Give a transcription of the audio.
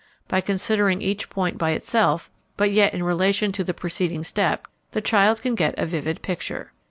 By considering each point by itself, but yet in relation to the preceding step, the child can get a vivid picture.